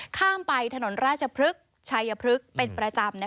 ข้ามไปถนนราชพฤกษ์ชัยพฤกษ์เป็นประจำ